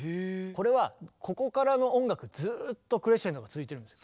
これはここからの音楽ずっとクレッシェンドが続いてるんです。